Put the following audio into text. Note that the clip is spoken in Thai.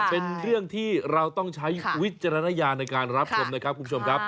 เป็นเรื่องที่เราต้องใช้วิจารณญาณในการรับชมนะครับคุณผู้ชมครับ